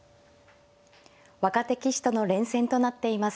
若手棋士との連戦となっています。